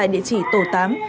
địa chỉ tổ tám